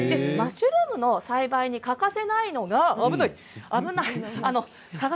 マッシュルームの栽培に欠かせないのが危ない。